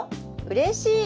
うれしい！